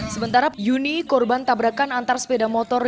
sementara yuni korban tabrakan antar sepeda motor